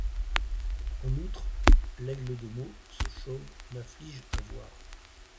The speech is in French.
En outre, Laigle de Meaux, ce chauve, m’afflige à voir.